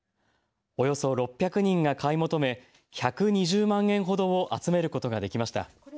およそ６００人が買い求め１２０万円ほどを集めることができました。